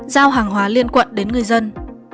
giao hàng hóa liên quận đến người dân